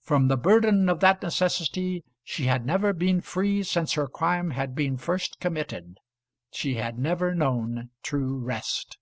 From the burden of that necessity she had never been free since her crime had been first committed. She had never known true rest.